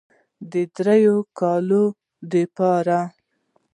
د دريو کالو دپاره